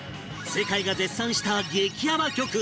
世界が絶賛した激ヤバ曲